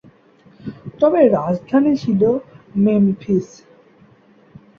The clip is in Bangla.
তার রাজধানী ছিল মেমফিস।